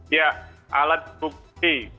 ya alat bukti